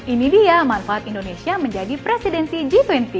ini dia manfaat indonesia menjadi presidensi g dua puluh